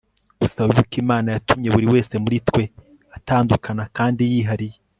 gusa wibuke imana yatumye buri wese muri twe atandukana kandi yihariye